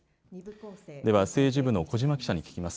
では、政治部の小嶋記者に聞きます。